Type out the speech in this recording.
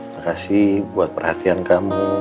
makasih buat perhatian kamu